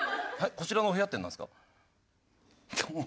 「こちらのお部屋」ってなんですか？